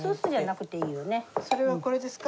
それはこれですか？